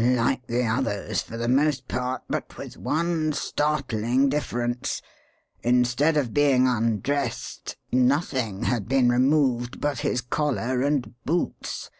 "Like the others, for the most part, but with one startling difference: instead of being undressed, nothing had been removed but his collar and boots.